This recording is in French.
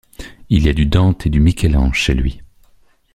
Il y a du Dante et du Michel-Ange chez lui.